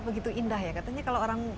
begitu indah ya katanya kalau orang